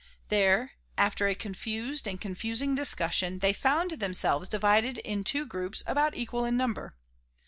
There, after a confused and confusing discussion, they found themselves divided in two groups about equal in number.